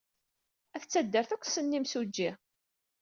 Ayt taddart akk ssnen imsujji.